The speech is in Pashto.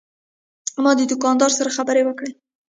ما د دوکاندار سره خبرې وکړې.